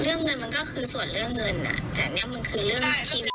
เรื่องเงินมันก็คือส่วนเรื่องเงินอ่ะแต่เนี่ยมันคือเรื่องชีวิต